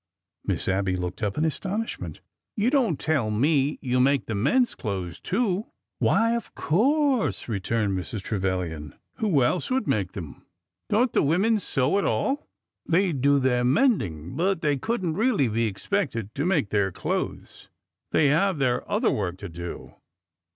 Miss Abby looked up in astonishment. You don't tell me you make the men's clothes too ?" Why, of course," returned Mrs. Trevilian. " Who else would make them ?" Don't the women sew at all ?"" They do their mending. But they could n't really be expected to make their clothes. They have their other work to do."